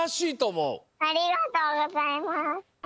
ありがとうございます。